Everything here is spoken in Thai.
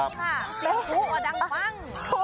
พุ๊กอ่ะดังปัง